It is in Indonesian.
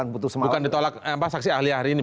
bukan ditolak saksi ahli ahli ini